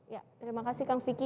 ya terima kasih kang vicky